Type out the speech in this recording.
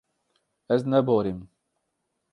Ez neborîm.